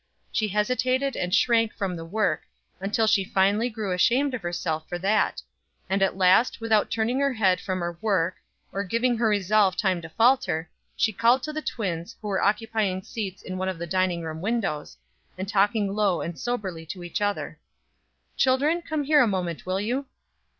She hesitated and shrank from the work, until she finally grew ashamed of herself for that; and at last, without turning her head from her work, or giving her resolve time to falter, she called to the twins, who were occupying seats in one of the dining room windows, and talking low and soberly to each other: "Children, come here a moment, will you?"